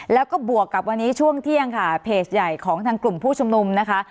แล้วก็บวกกับวันนี้ช่วงเที่ยงค่ะเพจใหญ่ของทางกลุ่มผู้ชุมนุมนะคะ